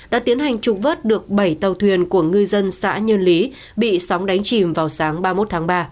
đã tiến hành trục vớt được bảy tàu thuyền của ngư dân xã nhân lý bị sóng đánh chìm vào sáng ba mươi một tháng ba